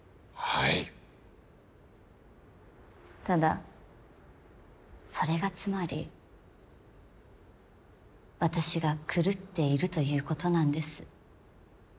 ただそれがつまり私が狂っているということなんです